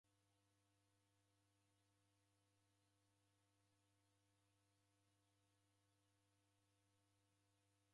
Machi ghikabula kila kilambo ndeifwane mndungi utime kuida ija chia.